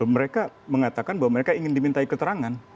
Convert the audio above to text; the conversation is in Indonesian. mereka mengatakan bahwa mereka ingin dimintai keterangan